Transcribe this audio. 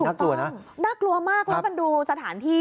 น่ากลัวนะน่ากลัวมากแล้วมันดูสถานที่